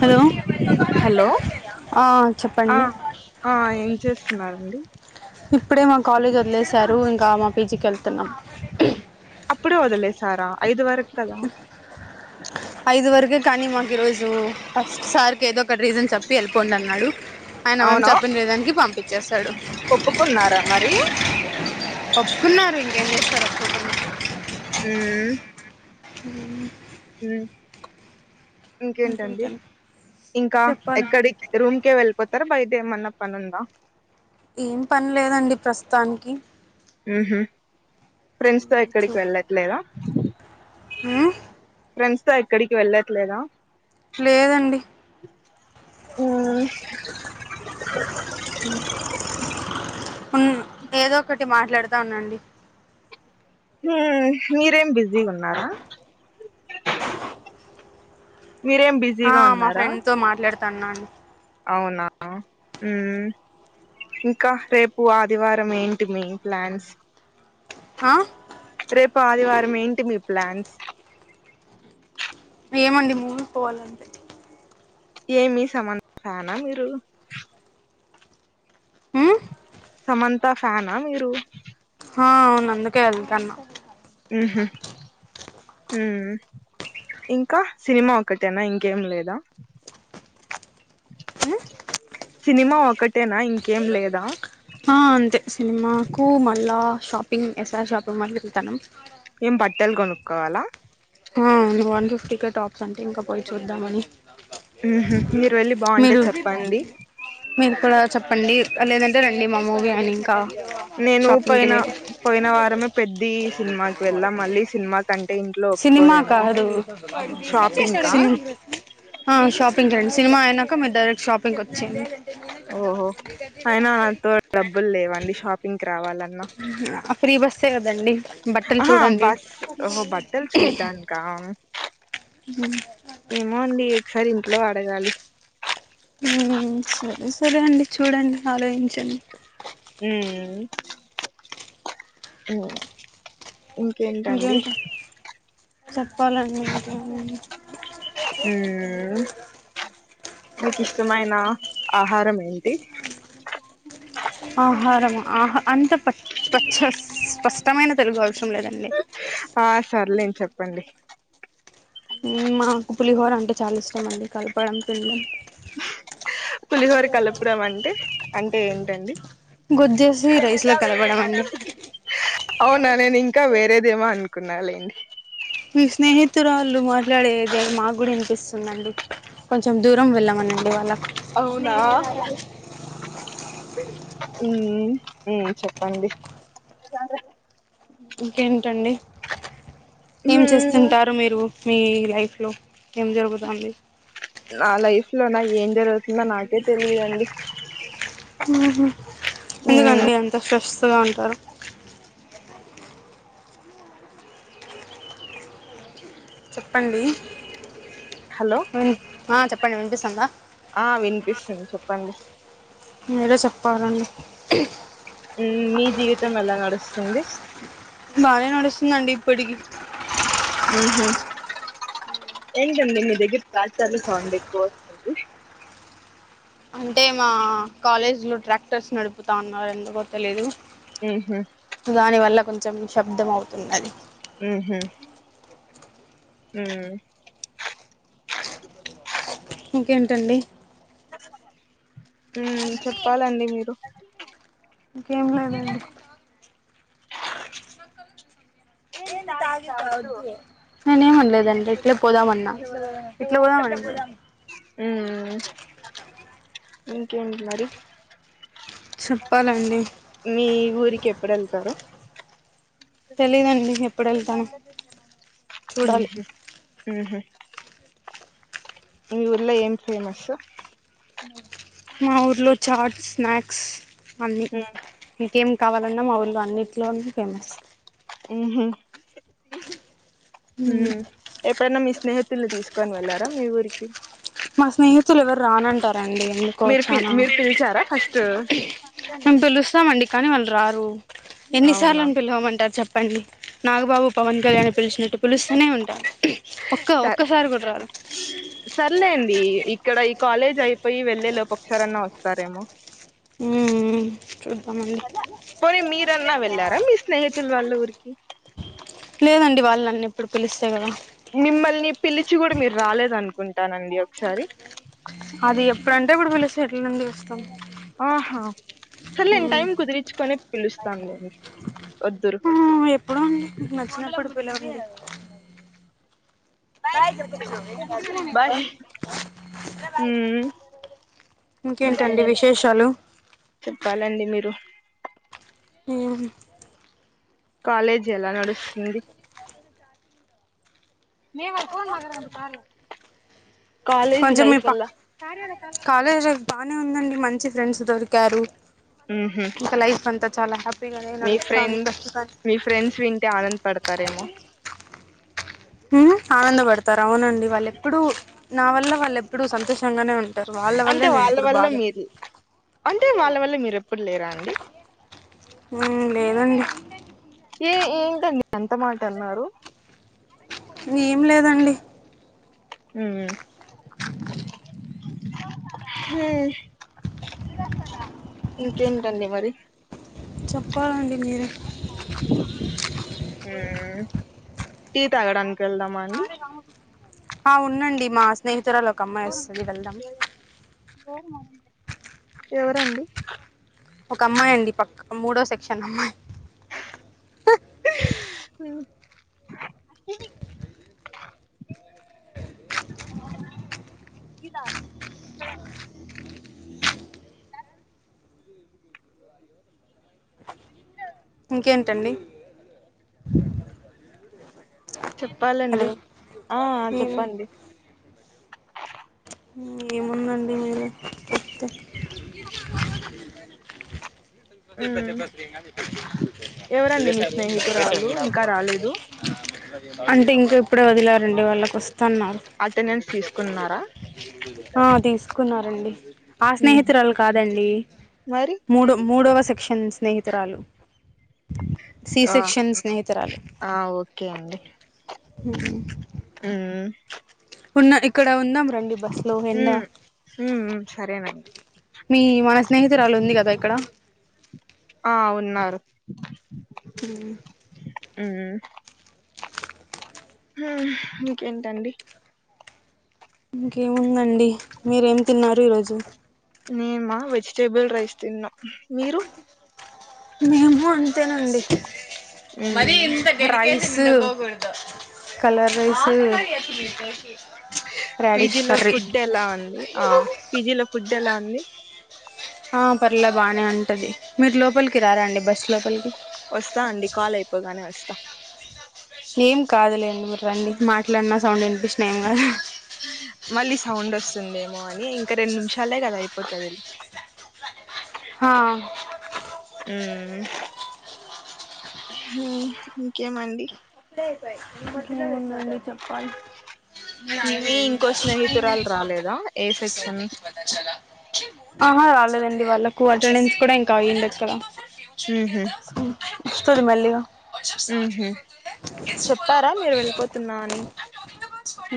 hello hello ఆ ఆ చెప్పండి ఆ ఏం చేస్తున్నారు అండి ఇప్పుడే మా కాలేజ్ వదిలేసారు ఇంకా మా పీజీకి వెళ్తున్నాం అప్పుడ వదులే సారా ఐదు వరకు కదా ఐదు వరకే కానీ మాకు ఈరోజు ఫస్ట్ సార్ కి ఏదో ఒకటి రీజన్ చెప్పి వెళ్ళిపోండి అన్నాడు ఆయన మేము అవునా చెప్పిన రిజన్ కి పంపించేస్తాడు ఉన్నారా మరి ఒప్పుకున్నారు ఇంకెం చేస్తారో అమ్ హమ్ అమ్ ఇంకేంటండి ఇంకా చెప్పాలి ఎక్కడికి రూమ్ కే క వెళ్ళిపోతు తార బయట ఎమన్నా పనుందా ఏం పని లేదండి ప్రస్తుతానికి ఉహూ ఫ్రెండ్స్ తో ఎక్కడికి వెళ్ళట్లేద ఊ ఫ్రెండ్స్ తో ఎక్కడికి వెళ్ళట్లేదా లేదండి ఆ ఏదో ఒకటి మాట్లాడుతా ఉండండి మీరేమి బిజీ గా ఉన్నారా మీరేం ఆ బిజీగా మా ఉన్నారా ఫ్రెండ్ తో మాట్లాడుతా ఉన్నాను అవునా ఉమ్ ఇంకా రేపు ఆదివారం ఏంటి మీ ప్లాన్స్ ఆ రేపు ఆదివారం ఏంటి మీ ప్లాన్స్ ఏమండి మూవీ పోవాలంటే ఏమి సమంత ఫ్యాన్ ఆ మీరు ఉ సమంత ఫ్యానా మీరు ఆ అవును అందుకే వెళ్తన్నా ఉహు ఉమ్ ఇంకా సినిమా ఒకటేనా ఇంకేం లేదా సినిమా ఒకటేనా ఇంకేం లేదా ఆ అంతే సినిమాకు మల్లా షాపిింగ్ ఎస్ఆర్ షాపింగ్ మాల్ కి వెళ్తాను ఏం బట్టలు కొనుక్కోవాలా ఉమ్ ఇక వన్ ఫిఫ్టీ కే టాప్స్ అంటే ఇంకా పోయి చూద్దామని ఉహు మీరు వెళ్ళి బాగుంటే మీరు చెప్పండి మీరు కూడా చెప్పండి లేదంటే రండి మా మూవి అని ఇంకా నేను షాపింగ్ కి పోయిన మీరు పోయిన వారమే పెద్ద సినిమాకి వెళ్ళాం మళ్ళీ సినిమా కంటే ఇంట్లో సినిమా ఒప్పుకోరేమో కాదు షాపింగ్ కా సి ఆ షా షాపింగ్ కి రండి సినిమా అయినాక మీ డైరెక్ట్ షాపింగ్ కి వచ్చేయండి ఓహో అయినా నాతో డబ్బులు లేవండి షాపింగ్ కి రావాలన్నా ఆ ఫ్రీ బస్సే గదండి ఆహ బస్ ఓ బట్టలు చూడ్డానికా ఏమో అండి ఒకసారి ఇంట్లో అడగాలి సరే సరే అండి చూడండి ఆలోచించండి ఉమ్ ఉమ్ ఇంకేంటి చెప్పాలండి ఇంకే ఉమ్ మీకు ఇష్టమైనా ఆహారం ఏంటి ఆహారము ఆహ అంత ప ప స్పష్టమైన తెలుగాదు ఆ సర్లేను చెప్పండి మాకు పులిహోర అంటే చాలా ఇష్టం అండి కలపడం పిల్ల పులిహోర కలపడం అంటే అంటే ఏంటండి గొజ్జేసి రైస్ లో కలపడం అండి అవునా నేను ఇంకా వేరేదేమో అనుకున్న కున్నలెండి పత్తరాళ్ళు మాట్లాడేది అది మాకు కూడా వినిపిస్తుందిండి కొంచెం దూరం వెళ్ళమనండి వాళ్ళ అవునా ఉ చెప్పండి ఇంకేంటండి ఏం ఉమ్ చేస్తుంటారు మీరు మీ లైఫ్లో ఏం జరుగుతాంది నా లైఫ్ లో నా ఏం జరుగుతుందో తెలియదండి ఉమ్ ఎందుకండి అంత స్ట్రెస్ [unintelligible] చెప్పండి హలో ఆ చెప్పండి వినిపిస్తుంద ఆ వినిపిస్తుంది చెప్పండి మీరే చెప్పాలండి మీ జీవితం ఎలా నడుస్తుంది బానే నడుస్తుందండి ఇప్పటికి ఉహు [unintelligible] సౌండ్ ఎక్కువ వస్తుంది అంటే మా కాలేజీ లో ట్రాక్టర్స్ నడుపుతా ఉన్నారు ఎందుకో తెలిదు ఉహు దాని వల్ల కొంచెం శబ్దం అవుతునది హు హు హు ఇంకేంటండి ఉ చెప్పాలండి మీరు ఇంకేం లేదండి నేను ఏమనలేదండి ఇట్లే పోదామన్నా ఇట్ పోదామ ఉ ఇంకేంటి మరి చెప్పాలండి మీ ఊరికి ఎప్పుడు వెళ్తారు తెలిదండి ఎప్పుడు వెళ్తానో చూడాలి హు హు ఈ ఊర్లో ఏం ఫేమస్ మా ఊర్లో చాట్స్ స్నాక్స్ అన్నీ ఉమ్ ఇంకేం కావాలన్నా మా ఊళ్ళ అన్నింటిలో ఫేమస్ ఎప్పుడన్నా మీ స్నేహితులు తీస్ [unintelligible] వెళ్లారా మీ ఊరికి మా స్నేహితులు ఎవరు రానంటారండి ఎందుకో మీరు పిల్ చనా మీరు పిలిచారా ఫస్ట్ మేము పిలుస్తామండి కానీ వ రారు అవునా ఎన్నిసార్లని పిలవమంటారు చెప్పండి నాగుబాబు పవన్ కళ్యాణ్ ని పిలిచినట్టు పిలుస్తూనే ఉంటారు ఒక్క ఒక్కసారి కూడా రాదు సర్లే ఇక్కడ ఈ కాలేజ్ అయిపోయి వెళ్ళే లోపు ఒకసారన్న వస్తారేమో ఊ పోనీ మీరన్నా వెళ్ళారా మీ స్నేహితులు వాళ్ళ ఊరికి లేదండి వాళ్ళు నన్నే మిమ్మల్ని పిలిచి కూడ మీరు రాలేద అనుకుంటానండి ఒకసారి అది ఎప్పుడంటే అప్పుడు పిలిస్తే ఎట్ల నుండి వస్తాం ఆహా సర్లే అండి మ్మ్ టైం కుదిరించుకొని పిలుస్తాను లెండి ఆ ఎప్పుడో అండి మీకి నచ్చినప్పుడు పిలవండి బాయ్ ఉమ్ [inaudible] ఇంకేం ఇంకేంటండి విశేషాలు చెప్పాలండి మీరు ఆ కాలేజ్ ఎలా నడుస్తుంది [unintelligible] కాలేజ్ కొంచెం మీ లైఫ్ పక్క ఎలా కాలేజీ బాగానే ఉందండి మంచి ఫ్రెండ్స్ దొరికారు ఉహు ఇంకా లైఫ్ అంతా చాలా హ్యాపీగానే మీ నడుస్తోంది ఫ్రెండ్ ప్రస్తుతానికి తారేమో ఆనందపడతారు అవునండి వాళ్ళుెప్పుడుూ నా వల్ల వాళ్ళు ఎప్పుడుూ సంతోషంగానే ఉ అంటే వాళ్ళ వల్ల మీరు అంటే వాళ్ళ వల్ల మీరు ఎప్పుడు లేరా అండి నేను లేనండి ఏ ఏంటండి అంత మాట అన్నారు ఏం లేదండి హ హ ఇంకేంటండి మరి చెప్పాలండి మీరే ఈటీ తగడానికి వెళ్దామా అండి ఆ ఉండండి మా స్నేహితురాలు ఒక అమ్మాయి వస్తుంది వెళ్దాం ఎవరండి ఒక అమ్మాయి అండి పక్క మూడో సెక్షన్ అమ్మాయి [inaudible] [inaudible] [inaudible] ఇంకేంటండి చెప్పాలండి హలో ఆ ఉమ్ చెప్పండి ఏముందండీ తే మ్మ్ ఎవరండి మీ స్నేహితురాలు ఇంకా రాలేదు [unintelligible] అంటే ఇంకా ఇప్పుడే వదిలారండి వాళ్ళకి వస్తున్నారు అటెండెన్స్ తీసుకున్నారా ఆ తీసుకున్నారంండి ఆ మ్మ్ స్నేహితురాలు కాదండి మరి మూడు మూడవ సెక్షన్ స్నేహితురాలు సి ఆ సెక్షన్ స్నేహితురాలు ఆ హ ఉన్న ఇక్కడ ఉందాం రండి బస్ లో ఎడా మ్మ్ మ్మ్ సరేనండి మీ మన స్నేహితురాలు ఉంది కదా ఇక్కడ ఆ ఉన్నారు ఇంకేంటండి ఇంకేముందండి మీరేం తిన్నారు ఈరోజు మీమా వెజిటేబుల్ రైస్ తిన్నా మీరు మేము అంతేనండి మరి మ్మ్ ఇంత రైస్ కలర్ రైసు పీజీలో ఫుడ్ ఎలా ఉంది ఆ పీజిలో ఫుడ్ ఎలా ఉంది పర్లా బాగానే ఉంటాది మీరు లోపలికి రారండి బస్సు లోపలికి వస్తా అండి కాల్ అయిపోగానే వస్తా ఏం కాదులేండి మీరు రండి మాట్లాడిన సౌండ్ వినిపించిన ఏం కాదు మళ్ళీ సౌండ్ వస్తుంది వస్తుందేమో అని ఇంకా రెండు నిమిషాలే కదా అయిపోతుంది హ హ్మ్ ఇంకేమండి ఇంకేమి ఉంది అండి చెప్పాలి అ మీ ఇంకో ఏ స్నేహితురాలు రాలేదా ఏ సెక్షన్ ఆహా రాలేదండి వాళ్ళకు అటెెన్స్ కూడా ఇ కయింది అక్క ఉహు వస్తది మలిగా ఉహు చెప్పారా మీరు వెళ్ళిపోతున్నా అని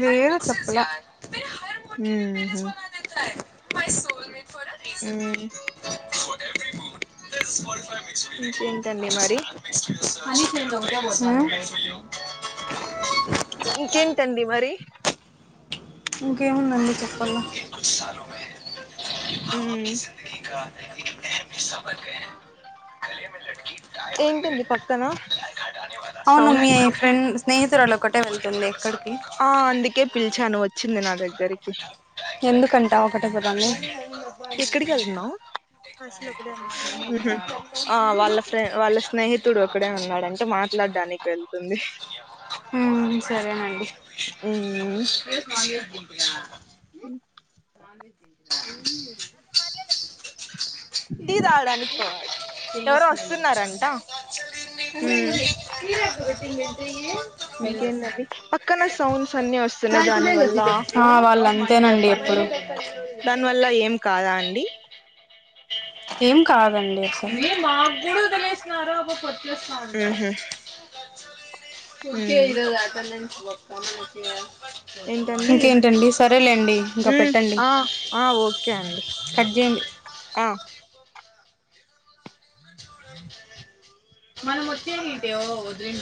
హ్మ్ చప్పలా ఉహు మ్మ్ ఇంకేంటండి అ మరి ఆ ఇంకేంటండి మరి ఇంకేముందండి చెప్పలో ఉమ్ మాకి జిందీ కా అహం హస్సా వర్గ గలే మలకీ ఏంటండి పక్కన అవును మీ సౌండ్స్ ఫ్రెండ్ స్నేహితురాళ ఒకటే వెళ్తుంది ఎక్కడికి ఆ అందుకే పిలిచాను వచ్చింది నా దగ్గరికి ఎందుకంట ఒకటే కదండి మ్మ్ హ్మ్ ఆ వాళ్ళ ఫ్రెం వాళ్ళ స్నేహితుడు ఒకడే ఉన్నాడంటే మాట్లాడడానికి వెళ్తుంది మ్మ్ సరేనండి అ మవి అది మరయాడుచ్చలే టీ తావడానికి పోవాలి ఎవరో వస్తున్నారంట ఉమ్ కరా ప్రోటీన్ మత ఇంకేంటండి పక్కన ఏ సౌండ్స్ అన్ని వస్తున్నాయి దాని వల్ల ఆ వాళ్ళ అంతేనండి ఎప్పుడు దానివల్ల ఏం కాదా అండి ఏం కాదండి అసలు మా కూడా వదిలేనాడు ఫంద ఉహు ఒకే ఉమ్ ఈరోజు అటెండెన్స్ బొక్క ఏంటండి ఇంకేంటండి సరేలేండి ఇంకా ఉమ్ పెట్టండి ఆ ఆ ఓకే అండి కట్ చేయండి ఆ మన మత్తతేవ వదలిం